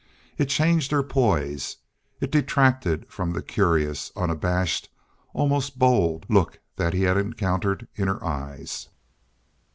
It changed her poise. It detracted from the curious, unabashed, almost bold, look that he had encountered in her eyes.